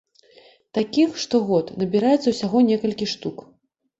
Такіх штогод набіраецца ўсяго некалькі штук.